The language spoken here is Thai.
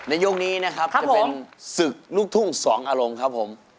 ยกนี้นะครับจะเป็นศึกลูกทุ่งสองอารมณ์ครับผม